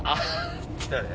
誰？